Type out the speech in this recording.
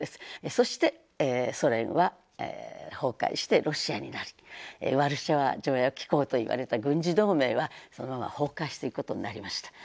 そしてソ連は崩壊してロシアになりワルシャワ条約機構といわれた軍事同盟はそのまま崩壊していくことになりました。